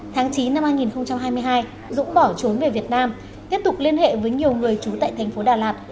tháng chín năm hai nghìn hai mươi hai dũng bỏ trốn về việt nam tiếp tục liên hệ với nhiều người trú tại thành phố đà lạt